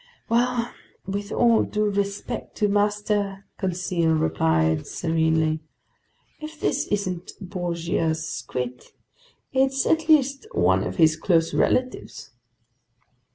"Well, with all due respect to master," Conseil replied serenely, "if this isn't Bouguer's Squid, it's at least one of his close relatives!"